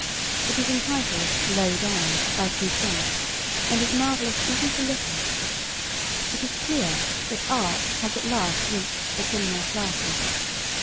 It is entitled Low Down, by Two Tramps, and is marvellous even to look at. It is clear that art has at last reached the criminal classes.